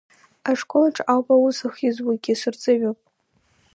Ашкол аҿы ауп аус ахьызуагьы, сырҵаҩуп.